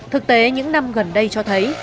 thực tế những năm gần đây cho thấy